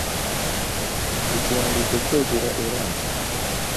Ekiwandiiko kyongera era nti: